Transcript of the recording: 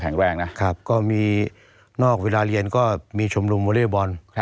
แจ้งถึงลูกศิษย์ครูหมีห้วยต้อน